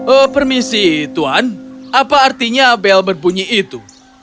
oh permisi tuan apa artinya bel berbunyi itu